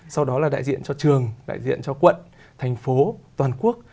sau đó là đại diện cho trường đại diện cho quận thành phố toàn quốc